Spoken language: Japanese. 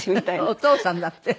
「お父さん」だって。